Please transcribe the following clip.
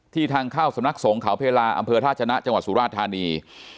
ทางเข้าสำนักสงเขาเพลาอำเภอท่าชนะจังหวัดสุราธานี